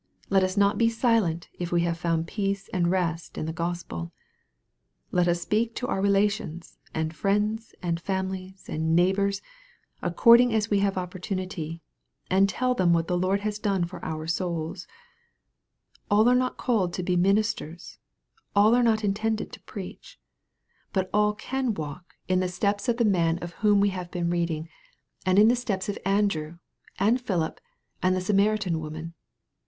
Let us not be silent, if we have found peace and rest in the Gospel. Let us speak to our rela tions, and friends, and families, and neighbors, according as we have opportunity, and tell them what the Lord has done for q ur souls. All are not called to be ministers. All are not intended to preach. But all can walk in the 5 98 EXPOSITORY THOUGHTS. Bteps of the man of whom we have been reading, and in the steps of Andrew, and Philip, and the Samaritan woman.